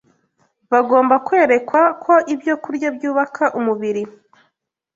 Bagomba kwerekwa ko ibyokurya byubaka umubiri